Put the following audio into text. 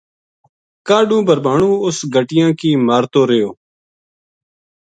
کاہڈو بھربھانو اس گَٹیاں کی مارتو ریہیو